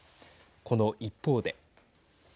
この一方で。